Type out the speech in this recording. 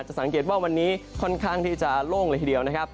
สังเกตว่าวันนี้ค่อนข้างที่จะโล่งเลยทีเดียวนะครับ